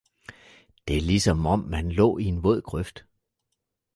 det er ligesom om man lå i en våd grøft!